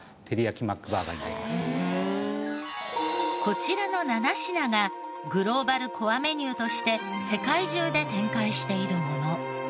こちらの７品がグローバルコアメニューとして世界中で展開しているもの。